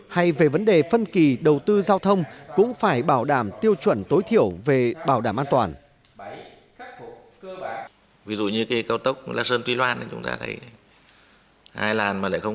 hay về vấn đề phân kỳ đầu tư giao thông cũng phải bảo đảm tiêu chuẩn tối thiểu về bảo đảm an toàn